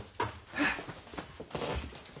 はあ。